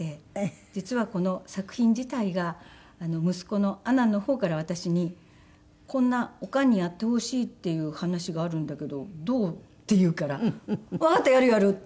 実はこの作品自体が息子のアナンの方から私に「こんなおかんにやってほしいっていう話があるんだけどどう？」って言うから「わかった。